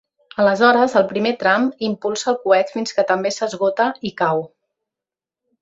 Aleshores el primer tram impulsa el coet fins que també s'esgota i cau.